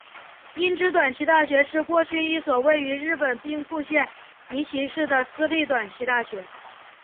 英知短期大学是过去一所位于日本兵库县尼崎市的私立短期大学。